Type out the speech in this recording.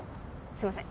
すいません